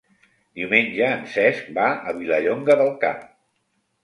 Diumenge en Cesc va a Vilallonga del Camp.